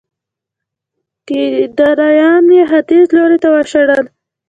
کيداريان يې ختيځ لوري ته وشړل